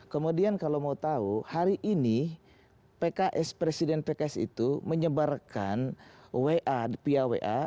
kemudian kalau mau tahu hari ini pks presiden pks itu menyebarkan wa pia wa